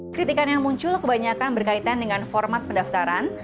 kritikan yang muncul kebanyakan berkaitan dengan format pendaftaran